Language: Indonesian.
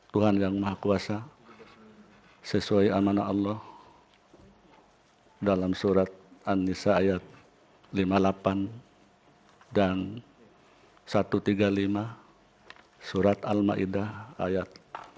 tuhan yang maha kuasa sesuai amanah allah dalam surat an nisa ayat lima puluh delapan dan satu ratus tiga puluh lima surat al ma'idah ayat delapan